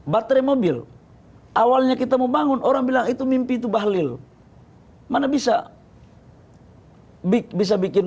baterai mobil awalnya kita mau bangun orang bilang itu mimpi itu bahlil mana bisa big bisa bikin